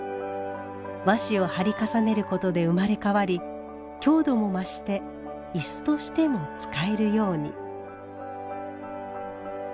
和紙を貼り重ねることで生まれ変わり強度も増して椅子としても使えるように。